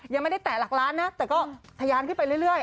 ยังไม่ได้แตะหลักล้านนะแต่ก็ทะยานขึ้นไปเรื่อย